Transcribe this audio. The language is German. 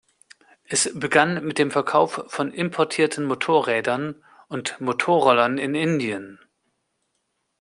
Es begann mit dem Verkauf von importierten Motorrädern und Motorrollern in Indien.